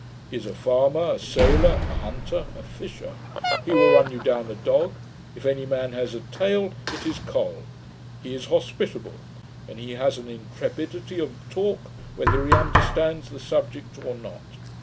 He is a farmer, a sailor, a hunter, a fisher: he will run you down a dog: if any man has a tail it is Col. He is hospitable; and he has an intrepidity of talk, whether he understands the subject or not.